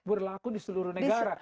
berlaku di seluruh negara